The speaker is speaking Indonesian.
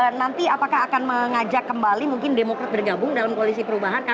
nanti apakah akan mengajak kembali mungkin demokrat bergabung dalam koalisi perubahan